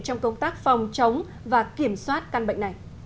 trong công tác phòng chống và kiểm soát căn bệnh này